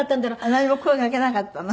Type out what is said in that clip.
何も声かけなかったの？